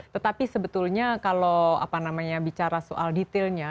tetapi sebetulnya kalau apa namanya bicara soal detailnya